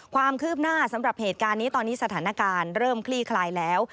ความคืบหน้าสำหรับเหตุการณ์นี้ตอนนี้สถานการณ์เริ่มคลี่คลายแล้ว